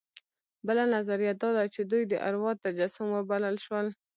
بله نظریه دا ده چې دوی د اروا تجسم وبلل شول.